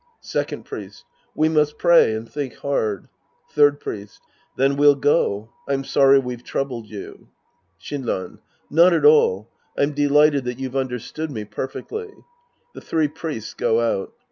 Second Priest. We must pi'ay and think hard. Third Priest. Then we'll go. I'm sorry we've troubled you. Shinran. Not at all. I'm delighted that you've understood me perfectly. {J^he three Priests go out.